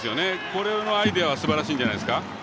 これのアイデアはすばらしいんじゃないですか。